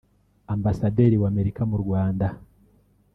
Ambasaderi w’Amerika mu Rwanda